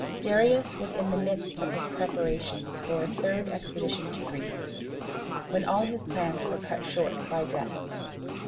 Darius was in the midst of his preparations for a third expedition to Greece, when all his plans were cut short by death.